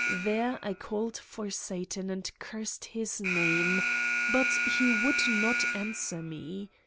There I called for Satan and cursed his name but he would would not answer me.